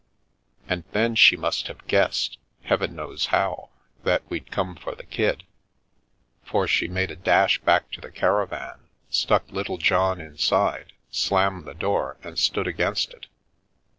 And then she must have guessed — heaven knows how — that we'd come for the kid, for she made a dash back to the caravan, stuck Littlejohn inside, slammed the door and stood against it.